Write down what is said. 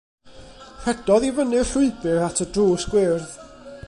Rhedodd i fyny'r llwybr at y drws gwyrdd.